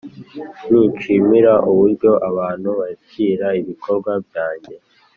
nishimira uburyo abantu bakira ibikorwa byange,